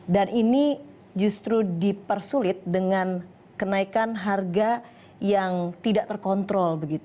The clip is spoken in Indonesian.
dan ini justru dipersulit dengan kenaikan harga yang tidak terkontrol